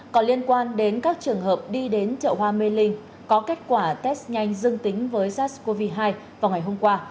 có liên quan đến các trường hợp đi đến chợ hoa mê linh có kết quả test nhanh dương tính với sars cov hai vào ngày hôm qua